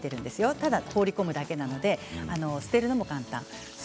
ただ放り込むだけなので捨てるのも簡単です。